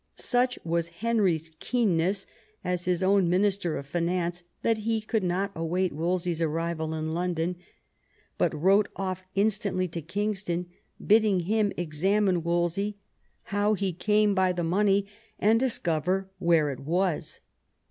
Such was Henry's keenness as his own minister of finance that he could not await Wolse/s arrival in London, but wrote off instantly to Kingston, bidding him examine Wolsey how he came by the money, and discover where it was.